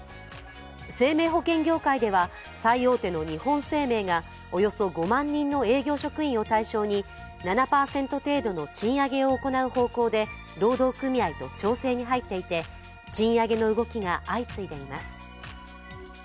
生命保険業界では最大手の日本生命がおよそ５万人の営業職員を対象に７％程度の賃上げを行う方向で労働組合と調整に入っていて、賃上げの動きが相次いでいます。